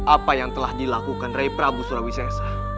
apa yang telah dilakukan rai prabu surawi sesa